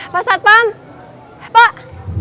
pak satpam pak